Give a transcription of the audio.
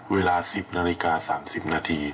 เวลา๑๐นาฬิกา๓๐นาที